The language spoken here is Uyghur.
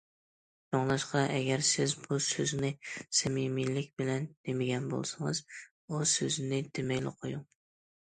شۇڭلاشقا ئەگەر سىز بۇ سۆزنى سەمىمىيلىك بىلەن دېمىگەن بولسىڭىز، ئۇ سۆزنى دېمەيلا قويۇڭ.